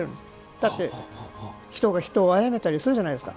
だって、人が人をあやめたりするじゃないですか。